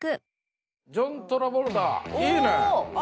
いいね！